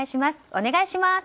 お願いします。